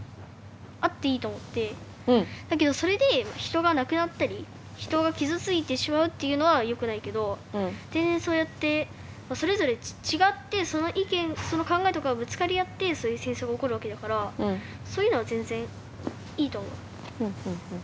だけどそれで人が亡くなったり人が傷ついてしまうっていうのはよくないけど全然そうやってそれぞれ違ってその意見その考えとかぶつかりあってそういう戦争が起こるわけだからそういうのは全然いいと思う。